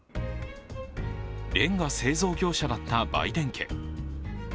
れんが製造業者だったバイデン家。